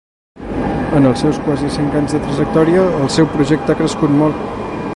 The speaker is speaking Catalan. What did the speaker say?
En els seus quasi cinc anys de trajectòria el seu projecte ha crescut molt.